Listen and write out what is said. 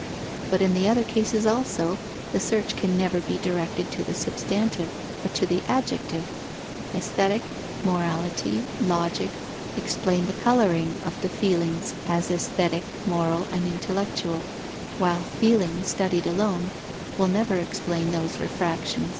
But in the other cases also, the search can never be directed to the substantive, but to the adjective: aesthetic, morality, logic, explain the colouring of the feelings as aesthetic, moral, and intellectual, while feeling, studied alone, will never explain those refractions.